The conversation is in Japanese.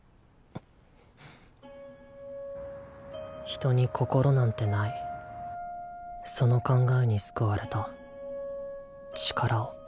「人に心なんてない」その考えに救われた。